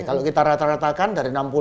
kalau kita rata ratakan dari enam puluh